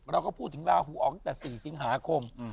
เราก็พูดถึงลาหูออกตั้งแต่๔สิงหาคม